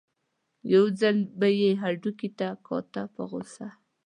یو ځل به یې هډوکي ته کاته په غوسه.